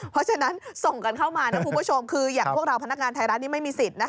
เพราะฉะนั้นส่งกันเข้ามานะคุณผู้ชมคืออย่างพวกเราพนักงานไทยรัฐนี้ไม่มีสิทธิ์นะคะ